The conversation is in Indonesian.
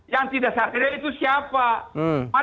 yang tidak sadar itu siapa